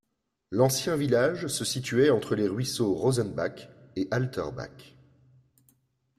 L'ancien village se situait entre les ruisseaux Rosenbach et Halterbach.